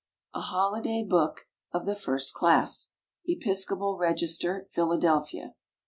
"A Holiday Book of the First Class." EPISCOPAL REGISTER, Philadelphia.